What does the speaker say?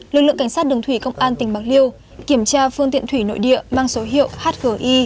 lực lượng cảnh sát đường thủy công an tỉnh bạc liêu kiểm tra phương tiện thủy nội địa mang số hiệu hgi bốn nghìn chín trăm chín mươi sáu